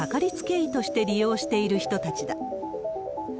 医として利用している人たちだ。